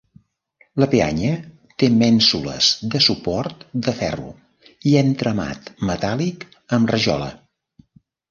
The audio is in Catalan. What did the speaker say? La peanya té mènsules de suport de ferro i entramat metàl·lic amb rajola.